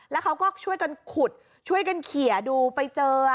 แล้วเขาก็ช่วยกันขุดช่วยกันเขียดูไปเจอ